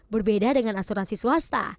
berbeda dengan asuransi swasta